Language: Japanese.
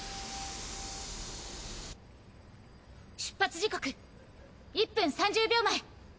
出発時刻１分３０秒前！